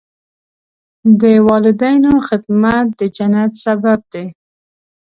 د والدینو خدمت د جنت سبب دی.